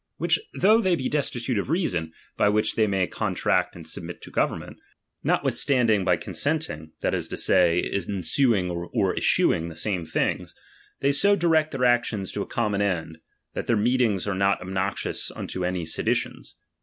which, though they be destitute of reason, by which they may contract and submit to government, notwithstanding by conseutmg, that is to say, ensuing or eschewing the same things, they so direct their actions to a common end, that their meetings are not obnoxious unto any seditions.